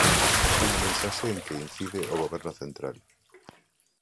Unha mensaxe en que incide o Goberno central.